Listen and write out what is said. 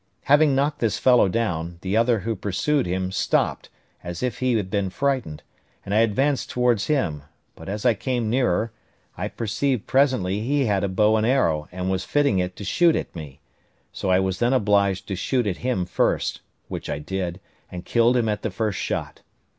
Having knocked this fellow down, the other who pursued him stopped, as if he had been frightened, and I advanced towards him: but as I came nearer, I perceived presently he had a bow and arrow, and was fitting it to shoot at me: so I was then obliged to shoot at him first, which I did, and killed him at the first shot.